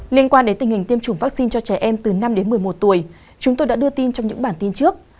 liên quan đến tình hình tiêm chủng vaccine cho trẻ em từ năm đến một mươi một tuổi chúng tôi đã đưa tin trong những bản tin trước